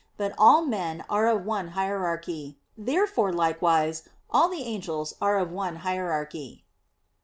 But all men are of one hierarchy. Therefore likewise all the angels are of one hierarchy.